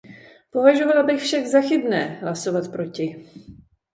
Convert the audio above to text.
Považovala bych však za chybné hlasovat proti.